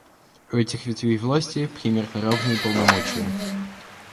У этих ветвей власти примерно равные полномочия.